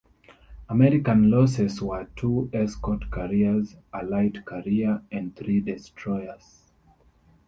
American losses were two escort carriers, a light carrier, and three destroyers.